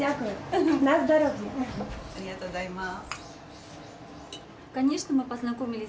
ありがとうございます。